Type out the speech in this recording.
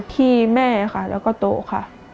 ที่แม่ค่ะแล้วก็โต๊ะค่ะ